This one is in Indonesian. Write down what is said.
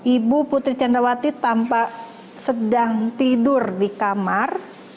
ibu putri candrawati tampak sedang tidur di kamar